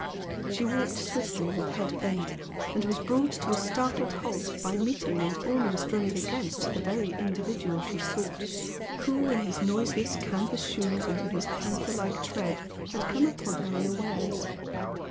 She walked swiftly, with head bent, and was brought to a startled halt by meeting and almost running against the very individual she sought, who in his noiseless canvas shoes and with his panther like tread had come upon her unawares.